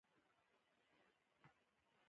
د بدن د بد بوی لپاره د لیمو او اوبو سپری وکاروئ